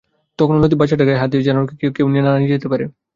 তখনো লতিফ বাচ্চাটার গায়ে হাত দিয়ে রাখে, যেন কেউ নিয়ে যেতে না পারে।